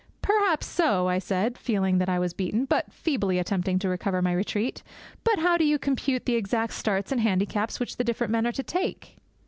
'Perhaps so,' I said, feeling that I was beaten, but feebly attempting to cover my retreat; 'but how do you compute the exact starts and handicaps which the different men are to take?'